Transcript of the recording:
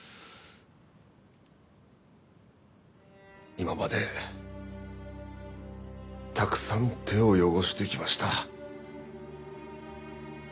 今までたくさん手を汚してきました。